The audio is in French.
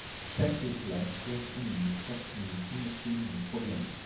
Chaque classe correspond à une certaine symétrie dans le problème.